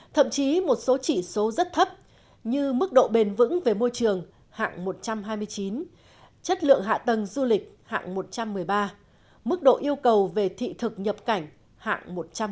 thậm chí một số chỉ số rất thấp như mức độ bền vững về môi trường hạng một trăm hai mươi chín chất lượng hạ tầng du lịch hạng một trăm một mươi ba mức độ yêu cầu về thị thực nhập cảnh hạng một trăm linh